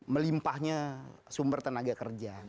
melimpahnya sumber tenaga kerja